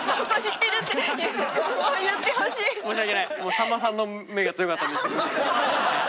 さんまさんの目が強かったです。